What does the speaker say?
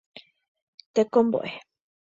Tekombo'e.